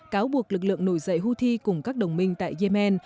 cáo buộc lực lượng nổi dậy houthi cùng các đồng minh tại yemen